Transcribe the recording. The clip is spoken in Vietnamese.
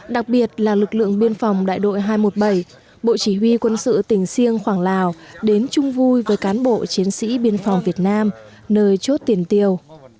đặc biệt là lực lượng biên phòng đại đội hai trăm một mươi bảy bộ chỉ huy quân sự tỉnh siêng khoảng lào đến chung vui với cán bộ chiến sĩ biên phòng việt nam nơi chốt tiền tiêu